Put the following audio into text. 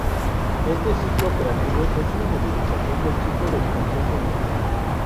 Este ciclo operativo es una modificación del ciclo de expansión tradicional.